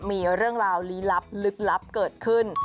มีเรื่องราวลี้ลับลึกลับเกิดขึ้น